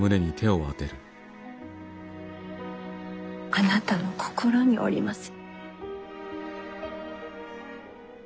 あなたの心におります。